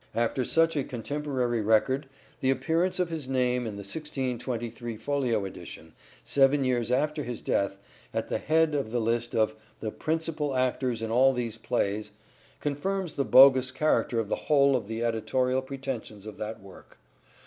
After such a contemporary record the appearance Doubtful of his name, in the 1623 folio edition, seven years after his death, at the head of the list of " theprincipall actors in all these plays," confirms the bogus character of the whole of the editorial pretensions of that work.